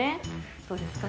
どうですかね。